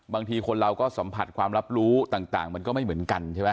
บางทีคนเราก็สัมผัสความรับรู้ต่างมันก็ไม่เหมือนกันใช่ไหม